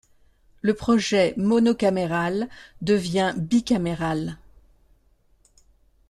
Le projet monocaméral devient bicaméral.